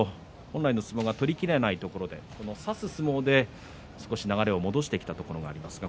本来の相撲が取りきれないところで、差す相撲で少し流れを戻してきたところがあります。